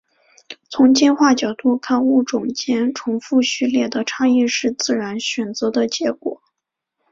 从进化角度看物种间重复序列的差异是自然选择的结果。